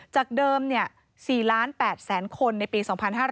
จากเดิม๔๘๐๐๐คนในปี๒๕๕๙